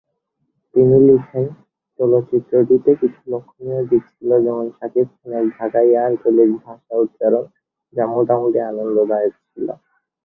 তিনি লিখেন ‘‘চলচ্চিত্রটিতে কিছু লক্ষণীয় দিক ছিল যেমন শাকিব খানের ঢাকাইয়া আঞ্চলিক ভাষা উচ্চারণ, যা মোটামুটি আনন্দদায়ক ছিল।